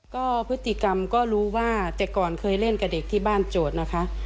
ก็พฤติกรรมก็รู้ว่าแต่ก่อนเคยเล่นกับเด็กที่บ้านโจทย์นะคะ